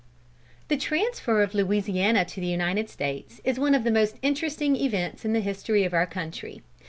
The transfer of Louisiana to the United States is one of the most interesting events in the history of our country.